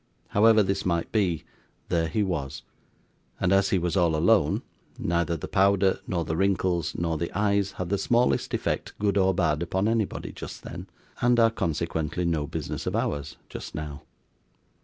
However this might be, there he was; and as he was all alone, neither the powder, nor the wrinkles, nor the eyes, had the smallest effect, good or bad, upon anybody just then, and are consequently no business of ours just now.